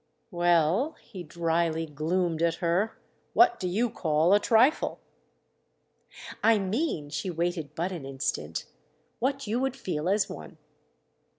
"Well," he dryly gloomed at her, "what do you call a trifle?" "I mean"—she waited but an instant—"what you would feel as one."